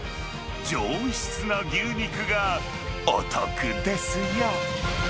上質な牛肉がお得ですよ。